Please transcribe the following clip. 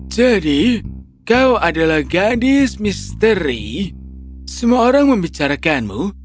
jadi kau adalah gadis misteri semua orang membicarakanmu